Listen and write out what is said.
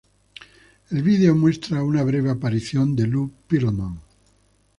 El vídeo muestra una breve aparición de Lou Pearlman.